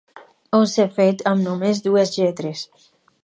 Onze fet amb només dues lletres.